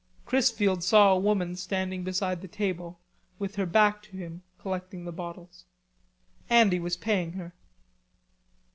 Chrisfield saw a woman standing beside the table with her back to him, collecting the bottles. Andy was paying her.